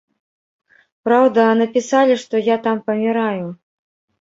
Праўда, напісалі, што я там паміраю.